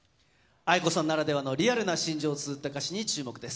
ａｉｋｏさんならではのリアルな心情を綴った歌詞に注目です。